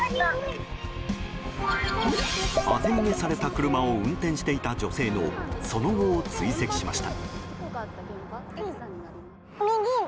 当て逃げされた車を運転していた女性のその後を追跡しました。